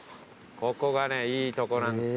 ここがねいいとこなんですよ。